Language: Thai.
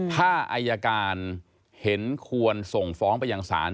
ถ้าอายการเห็นควรส่งฟ้องไปยังศาล